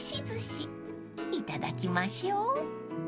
寿司いただきましょう］